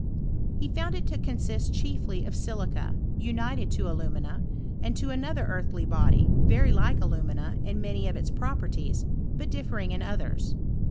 He found it ta consist chiefly of silica, united to alumina, and to another earthy body, very like alumina in many of its properties, but differing in others.